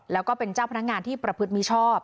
แล้วก็เป็นเจ้าพนักงานที่ประพฤติมิชอบ